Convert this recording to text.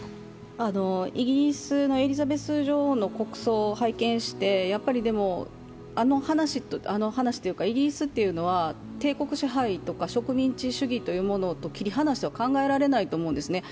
イギリスのエリザベス女王の国葬を拝見してあの話というかイギリスというのは帝国支配とか植民地支配というものと切り離しては考えられないと思うんですね。